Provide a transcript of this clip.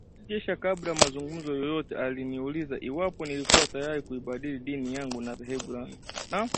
Kisha kabla ya mazungumzo yoyote, aliniuliza iwapo nilikuwa tayari kuibadili dini yangu na dhehebu langu